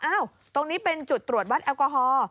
ตรงนี้เป็นจุดตรวจวัดแอลกอฮอล์